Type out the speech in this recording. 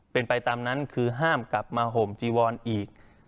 เป็นไปตามนั้นคือห้ามกลับมาห่มจีวอนอีก